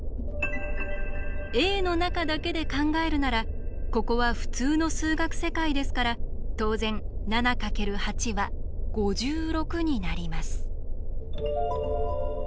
Ａの中だけで考えるならここは普通の数学世界ですから当然７×８は５６になります。